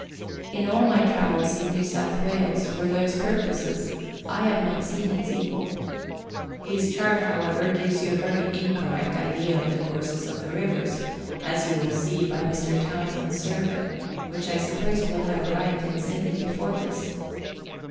In all my travels in New South Wales for those purposes I have not seen its equal. His chart, however, gives you a very incorrect idea of the courses of the rivers, as you will see by Mr. Townsend's survey, which I suppose will have arrived in Sydney before this.